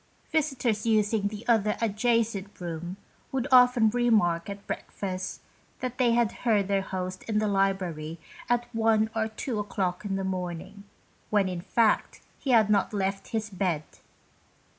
Visitors using the other adjacent room would often remark at breakfast» that they had heard their host in the library at one or two o'clock in the morning, when, in fact, he had not left his bed.